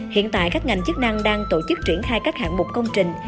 hiện tại các ngành chức năng đang tổ chức triển khai các hạng mục công trình